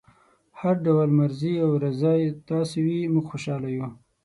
هر ډول مرضي او رضای تاسو وي موږ خوشحاله یو.